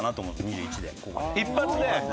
一発で？